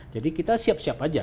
jadi kita siap siap aja